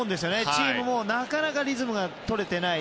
チームもなかなかリズムが取れていない。